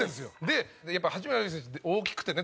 でやっぱり八村塁選手って大きくてね